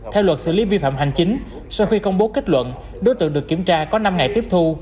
theo luật xử lý vi phạm hành chính sau khi công bố kết luận đối tượng được kiểm tra có năm ngày tiếp thu